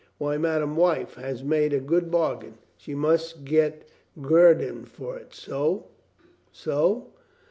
"Why, madame wife has made a good bargain. She must get guerdon for it. So. So."